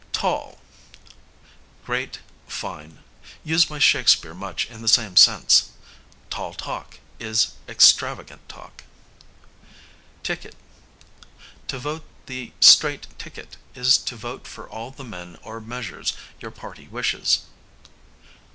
Tall, great, fine (used by Shakespeare much in the same sense); tall talk is extravagant talk. Ticket: to vote the straight ticket is to vote for all the men or measures your party wishes.